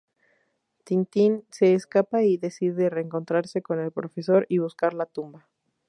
Tintín se escapa y decide reencontrarse con el profesor y buscar la tumba.